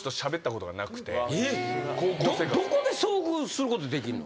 どこで遭遇することできるの？